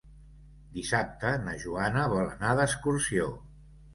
Dissabte na Joana vol anar d'excursió.